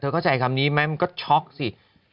เข้าใจคำนี้ไหมมันก็ช็อกสิ